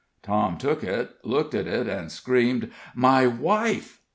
"] Tom took it, looked at it, and screamed: "My wife!"